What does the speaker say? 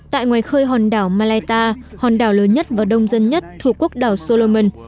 tại ngoài khơi hòn đảo malaita hòn đảo lớn nhất và đông dân nhất thuộc quốc đảo solomon